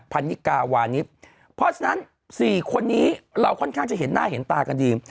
พันนิกาวานิสเพราะฉะนั้น๔คนนี้เราค่อนข้างจะเห็นหน้าเห็นตากันดี